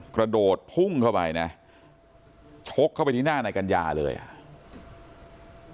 กระโดดพุ่งเข้าไปนะชกเข้าไปที่หน้านายกัญญาเลยอ่ะ